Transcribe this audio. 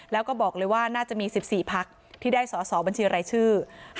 แล้วก็บอกเลยว่าน่าจะมี๑๔พักที่ได้สอสอบัญชีรายชื่อ